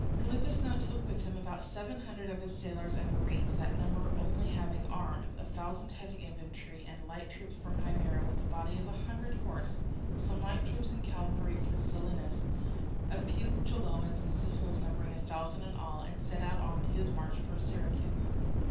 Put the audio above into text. Gylippus now took with him about seven hundred of his sailors and marines, that number only having arms, a thousand heavy infantry and light troops from Himera with a body of a hundred horse, some light troops and cavalry from Selinus, a few Geloans, and Sicels numbering a thousand in all, and set out on his march for Syracuse.